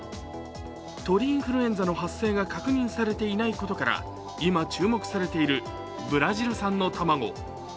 鳥インフルエンザの発生が確認されていないことから今、注目されているブラジル産の卵。